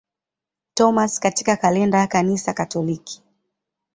Thomas katika kalenda ya Kanisa Katoliki.